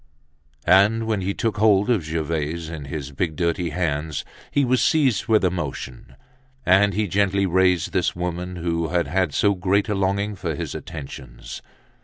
And when he took hold of Gervaise in his big, dirty hands, he was seized with emotion, and he gently raised this woman who had had so great a longing for his attentions.